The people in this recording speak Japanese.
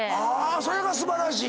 それが素晴らしい。